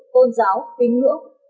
côn giáo kinh ngưỡng